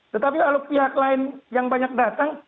tetapi kalau pihak lain yang banyak datang